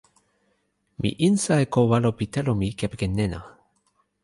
mi insa e ko walo pi telo mi kepeken nena.